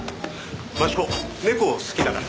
益子猫好きだから。